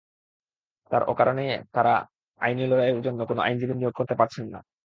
তাঁর কারণেই তাঁরা আইনি লড়াইয়ের জন্য কোনো আইনজীবী নিয়োগ করতে পারছেন না।